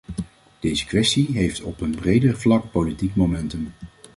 Deze kwestie heeft op een breder vlak politiek momentum.